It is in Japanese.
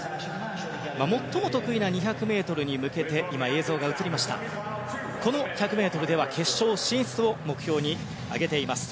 最も得意な２００ｍに向けてこの１００ｍでは決勝進出を目標に挙げています